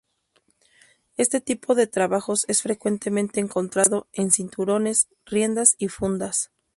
Éste tipo de trabajos es frecuentemente encontrado en cinturones, riendas y fundas.